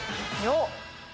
よっ！